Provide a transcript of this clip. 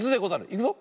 いくぞ。